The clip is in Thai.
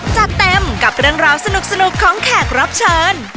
จัดเต็มกับเรื่องราวสนุกของแขกรับเชิญ